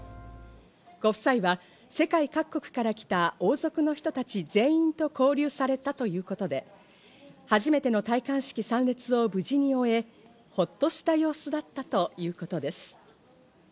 ご夫妻は世界各国から来た王族の人たち全員と交流されたということで初めての戴冠式参列を無事終え、ほっとした様子だったということです。